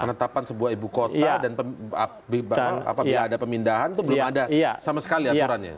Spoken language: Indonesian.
penetapan sebuah ibu kota dan apabila ada pemindahan itu belum ada sama sekali aturannya